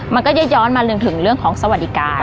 มันก็จะย้อนมาจนถึงเรื่องของสวัสดิการ